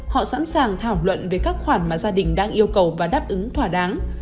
họ sẵn sàng thảo luận về các khoản mà gia đình đang yêu cầu và đáp ứng thỏa đáng